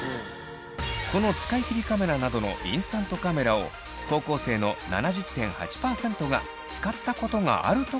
この使い切りカメラなどのインスタントカメラを高校生の７０．８％が使ったことがあると答えています。